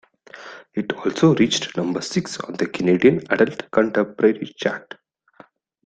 It also reached number six on the Canadian Adult Contemporary chart.